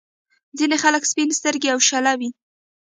ځينې خلک سپين سترګي او شله وي.